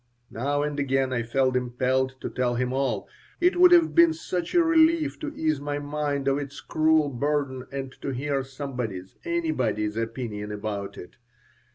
Now and again I felt impelled to tell him all. It would have been such a relief to ease my mind of its cruel burden and to hear somebody's, anybody's opinion about it.